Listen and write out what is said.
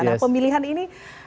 nah pemilihan ini